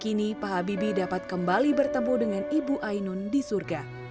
kini pak habibie dapat kembali bertemu dengan ibu ainun di surga